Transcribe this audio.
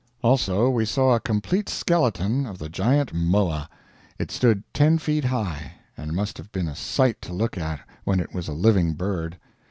Also we saw a complete skeleton of the giant Moa. It stood ten feet high, and must have been a sight to look at when it was a living bird.